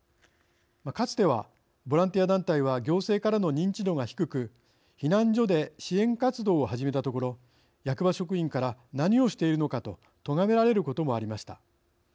かつてはボランティア団体は行政からの認知度が低く避難所で支援活動を始めたところ役場職員から何をしているのかととがめられることもありました。